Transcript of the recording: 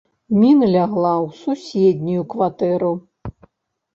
Міна лягла ў суседнюю кватэру.